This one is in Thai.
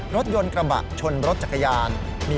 รถกระบะชนรถจักรยาน